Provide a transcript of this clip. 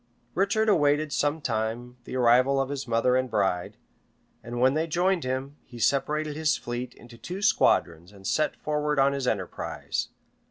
Richard awaited some time the arrival of his mother and bride, and when they joined him, he separated his fleet into two squadrons, and set forward on his enterprise.